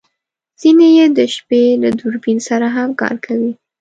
ځینې یې د شپې له دوربین سره هم کار کوي